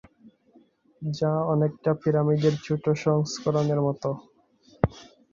যা অনেকটা পিরামিডের ছোট সংস্করণের মত।